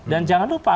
dan jangan lupa